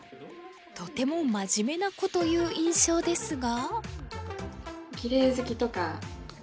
とても真面目な子という印象ですが？